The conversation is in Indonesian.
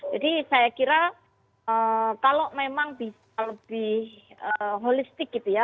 jadi saya kira kalau memang bisa lebih holistik